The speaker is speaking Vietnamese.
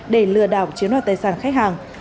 để lừa đảo chiếm đoạt tài sản khách hàng